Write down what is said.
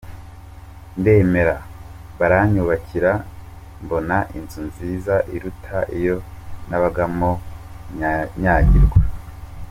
Ndemera baranyubakira mbona inzu nziza iruta iyo nabagamo nyagirwa.